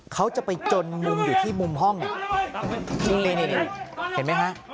เขาจะไปจนมุมอยู่ที่มุมห้องนี่นี่เห็นไหมฮะ